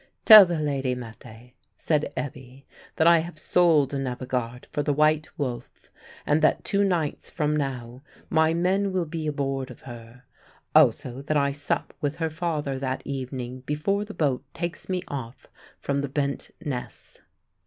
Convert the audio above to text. "Tell the lady Mette," said Ebbe, "that I have sold Nebbegaard for the White Wolf, and that two nights from now my men will be aboard of her; also that I sup with her father that evening before the boat takes me off from the Bent Ness."